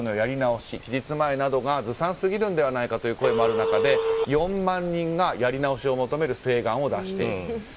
期日前がずさんすぎるのではないかという声もある中で４万人がやり直しを求める請願を出している。